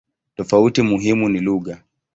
Tofauti muhimu ni lugha.